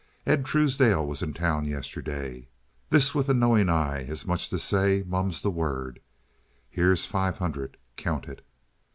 Ed Truesdale was in town yesterday." (This with a knowing eye, as much as to say, "Mum's the word.") "Here's five hundred; count it."